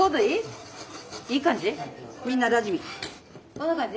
どんな感じ？